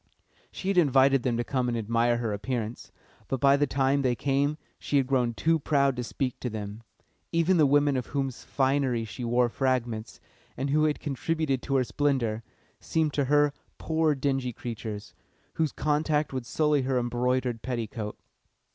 She had invited them to come and admire her appearance, but by the time they came she had grown too proud to speak to them. Even the women of whose finery she wore fragments, and who had contributed to her splendour, seemed to her poor dingy creatures, whose contact would sully her embroidered petticoat.